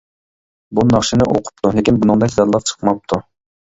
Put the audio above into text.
بۇ ناخشىنى ئوقۇپتۇ لېكىن بۇنىڭدەك جانلىق چىقماپتۇ.